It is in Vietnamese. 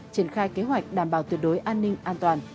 triển khai kế hoạch đảm bảo tuyệt đối an ninh an toàn